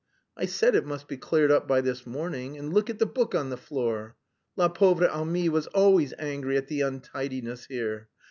I said it must be cleared up this morning, and look at the book on the floor! La pauvre amie was always angry at the untidiness here.